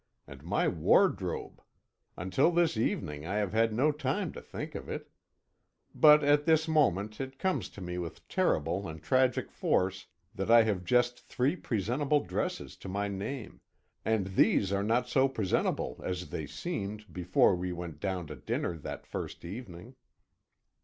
And my wardrobe! Until this evening I have had no time to think of it. But at this moment it comes to me with terrible and tragic force that I have just three presentable dresses to my name, and these are not so presentable as they seemed before we went down to dinner that first evening.